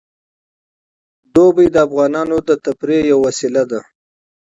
اوړي د افغانانو د تفریح یوه وسیله ده.